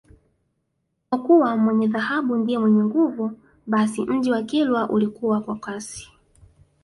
Kwa kuwa mwenye dhahabu ndiye mwenye nguvu basi mji wa Kilwa ulikua kwa kasi